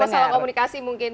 masalah komunikasi mungkin ya